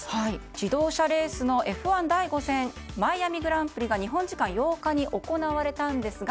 自動車レースのＦ１第５戦マイアミＧＰが日本時間８日に行われたんですが